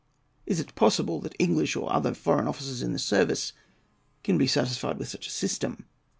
Is it possible that English, or other foreign officers in the service, can be satisfied with such a system?